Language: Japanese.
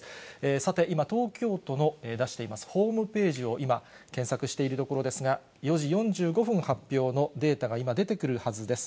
さて、今、東京都の出しています、ホームページを今、検索しているところですが、４時４５分発表のデータが今、出てくるはずです。